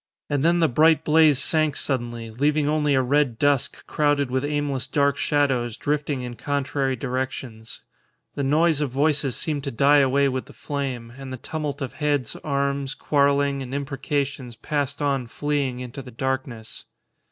And then the bright blaze sank suddenly, leaving only a red dusk crowded with aimless dark shadows drifting in contrary directions; the noise of voices seemed to die away with the flame; and the tumult of heads, arms, quarrelling, and imprecations passed on fleeing into the darkness.